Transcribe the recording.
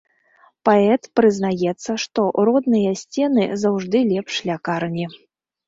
Паэт прызнаецца, што родныя сцены заўжды лепш лякарні.